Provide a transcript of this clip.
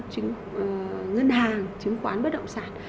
và những củ phiếu ngân hàng chứng khoán bất động sản